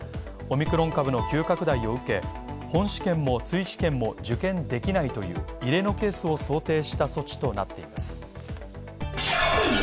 オミクロン株の急拡大を受け、本試験も追試験も受験できないという異例のケースを想定した措置となっています。